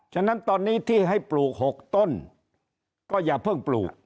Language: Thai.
ฉะนั้นตอนนี้ที่ให้ปลูก๖ต้นก็อย่าเพิ่งปลูก